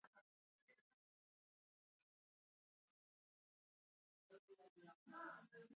غول د زهرجنو موادو نیول دی.